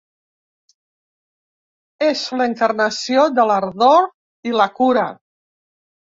És l'encarnació de l'ardor i la cura.